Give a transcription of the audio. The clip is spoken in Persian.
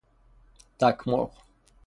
تک مرغ